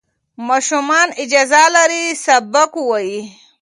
ماشومان اجازه لري سبق ووایي.